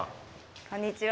こんにちは。